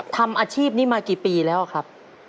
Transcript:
ทำอาชีพนี้มากี่ปีแล้วครับ